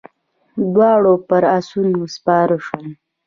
دواړه پر آسونو سپاره شول.